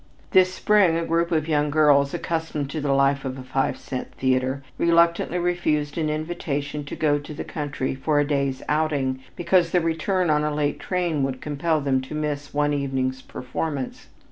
This spring a group of young girls accustomed to the life of a five cent theater, reluctantly refused an invitation to go to the country for a day's outing because the return on a late train would compel them to miss one evening's performance.